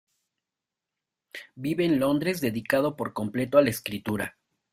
Vive en Londres dedicado por completo a la escritura.